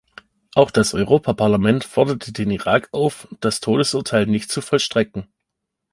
Auch das Europaparlament forderte den Irak auf, das Todesurteil nicht zu vollstrecken.